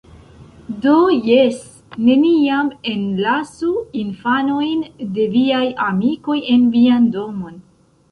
Do jes, neniam enlasu infanojn de viaj amikoj en vian domon.